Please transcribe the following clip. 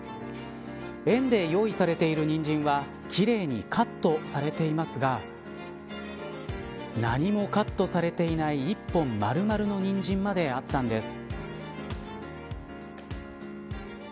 園で用意されているニンジンはきれいにカットされていますが何もカットされていない１本まるまるのニンジンまであったんです。